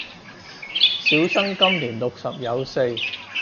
小生今年六十有四